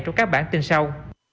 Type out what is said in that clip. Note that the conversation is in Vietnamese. trong các bản tin sau